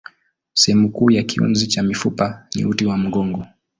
Sehemu kuu ya kiunzi cha mifupa ni uti wa mgongo.